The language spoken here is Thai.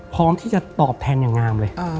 พร้อมที่จะตอบแทนอย่างงามเลย